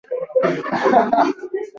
Latviya universiteti bilan hamkorlikng